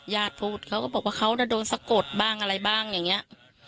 ญาติพูดเขาก็บอกว่าเขาจะโดนสะกดบ้างอะไรบ้างอย่างนี้